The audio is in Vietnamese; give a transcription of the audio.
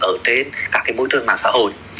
ở trên môi trường mạng xã hội